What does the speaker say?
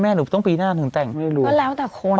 แม่หนูต้องปีหน้าหนึ่งแต่ง